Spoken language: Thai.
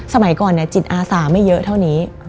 สมัยก่อนจิตอาสาไม่เยอะเท่านี้